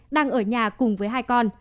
đang ở nhà cùng với hai con